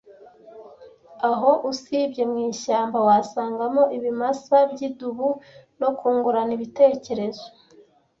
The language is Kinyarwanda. Aho, usibye mwishyamba, wasangamo ibimasa byidubu no Kungurana ibitekerezo